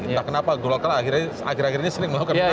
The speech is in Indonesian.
entah kenapa golkar akhir akhir ini sering melakukan